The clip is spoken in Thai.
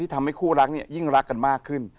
ทำให้คู่รักยิ่งรักกันมากขึ้น